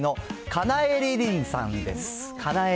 かなえりりんさんです。